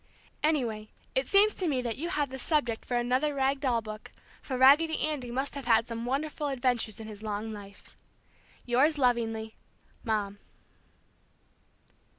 Anyway, it seems to me you have the subject for another rag doll book, for Raggedy Andy must have had some wonderful adventures in his long life. Yours lovingly, Mom.